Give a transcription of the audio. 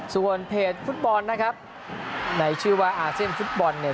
ส่วนเพจฟุตบอลนะครับในชื่อว่าอาเซียนฟุตบอลเนี่ย